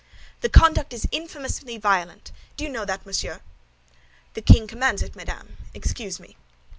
"The conduct is infamously violent! Do you know that, monsieur?" "The king commands it, madame; excuse me."